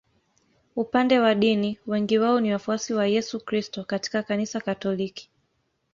Upande wa dini wengi wao ni wafuasi wa Yesu Kristo katika Kanisa Katoliki.